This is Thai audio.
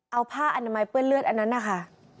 เอาผ้าอนามัยเปื้อนเลือดอันนั้นนะคะ